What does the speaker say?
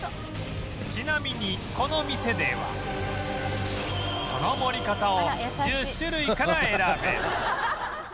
ちなみにこの店ではその盛り方を１０種類から選べる